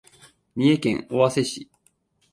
三重県尾鷲市